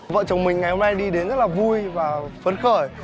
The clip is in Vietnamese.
vợ chồng mình ngày hôm nay đi đến rất là vui và phấn khởi